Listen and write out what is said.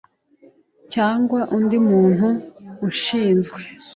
cyangwa undi muntu ushinzwe